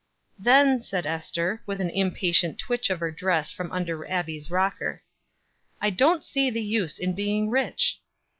"Then," said Ester, with an impatient twitch of her dress from under Abbie's rocker, "I don't see the use in being rich."